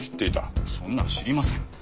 そんな知りません。